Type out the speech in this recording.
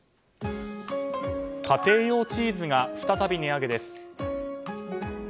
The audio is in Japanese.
家庭用チーズが再び値上げです。